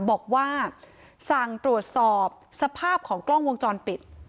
บอกว่าสั่งตรวจสอบสภาพของกล้องวงจรปิด